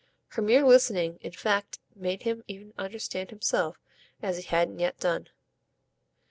Her mere listening in fact made him even understand himself as he hadn't yet done.